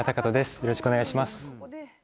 よろしくお願いします。